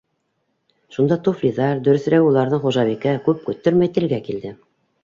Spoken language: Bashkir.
Шунда туфлиҙар, дөрөҫөрәге уларҙың хужабикәһе күп көттөрмәй телгә килде: